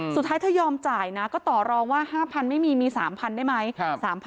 สุดท้ายถ้ายอมจ่ายนะก็ต่อรองว่า๕๐๐ไม่มีมี๓๐๐ได้ไหม